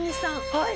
はい！